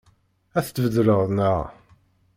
Ad t-tbeddleḍ, naɣ?